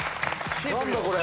何だこれ。